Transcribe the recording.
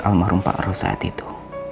almarhum pak rosyad itu